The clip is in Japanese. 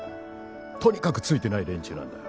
とにかくついてない連中なんだ。